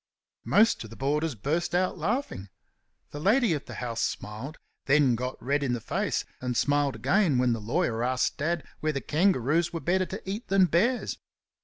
Most of the boarders burst out laughing. The lady of the house smiled, then got red in the face, and smiled again when the lawyer asked Dad whether kangaroos were better to eat than bears.